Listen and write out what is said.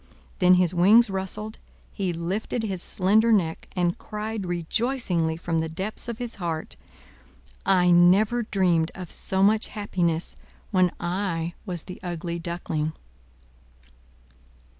Then his wings rustled, he lifted his slender neck, and cried rejoicingly from the depths of his heart: "I never dreamed of so much happiness when I was the Ugly Duckling!"